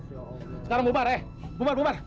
sekarang bubar eh bubar bubar